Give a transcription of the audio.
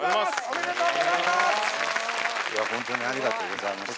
おめでとうございます。